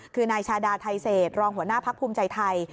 คือนายชาดาไทเศษรองหัวหน้าพักภูมิใจไทย